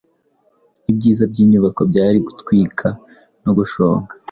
Ibyiza byinyubako byari gutwika no gushonga